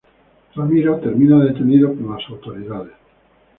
Ramiro termina detenido por las autoridades.